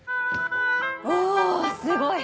おすごい！